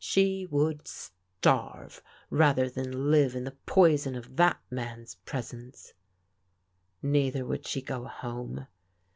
She would starve rather than live in the poison of that man's pres ence! Neither would she go home.